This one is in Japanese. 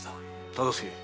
忠相。